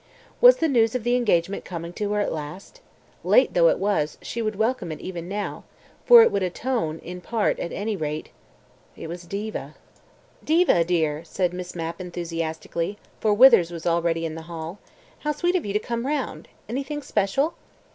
Was the news of the engagement coming to her at last? Late though it was, she would welcome it even now, for it would atone, in part at any rate. ... It was Diva. "Diva dear!" said Miss Mapp enthusiastically, for Withers was already in the hall. "How sweet of you to come round. Anything special?"